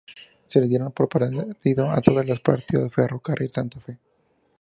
Se le dieron por perdido a todos los partidos a Ferro Carril Santa Fe.